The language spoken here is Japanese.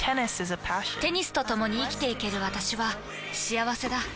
テニスとともに生きていける私は幸せだ。